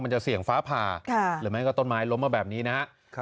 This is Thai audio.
จะเสี่ยงฟ้าผ่าหรือไม่ก็ต้นไม้ล้มมาแบบนี้นะครับ